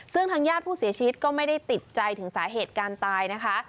ซึ่งทางญาติผู้เสียชีวิตก็ไม่ได้ติดใจถึงสาเหตุการตายนะคะ